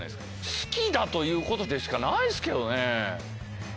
好きだということでしかないですけどね。